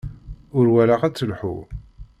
Ur walaɣ ad telḥu.